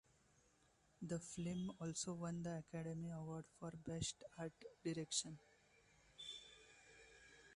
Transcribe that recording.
The film also won the Academy Award for Best Art Direction.